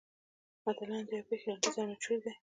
متلونه د یوې پېښې لنډیز او نچوړ دي